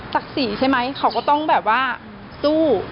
ศักดิ์ศรีใช่ไหมเขาก็ต้องแบบว่าสู้